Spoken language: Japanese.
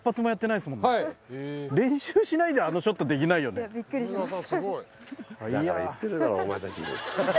だから言ってるだろお前たち。